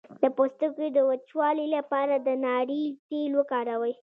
د پوستکي د وچوالي لپاره د ناریل تېل وکاروئ